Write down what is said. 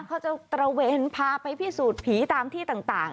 เขาจะตระเวนพาไปพิสูจน์ผีตามที่ต่าง